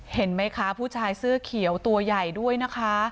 เห็นไหมคะผู้ชายเสื้อเขียวตัวใหญ่ด้วยนะคะ